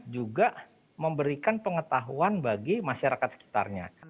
juga memberikan pengetahuan bagi masyarakat sekitarnya